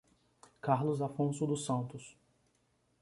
Carlos Afonso dos Santos